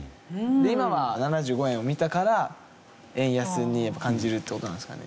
今は７５円を見たから円安に感じるっていう事なんですかね。